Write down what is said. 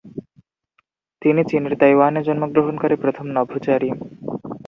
তিনি চীনের তাইওয়ানে জন্মগ্রহণকারী প্রথম নভোচারী।